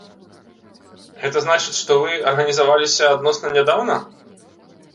Гэта значыць, што вы арганізаваліся адносна нядаўна?